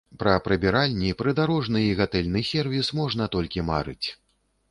Пра прыбіральні, прыдарожны і гатэльны сервіс можна толькі марыць.